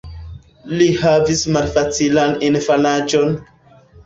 Li havis malfacilan infanaĝon.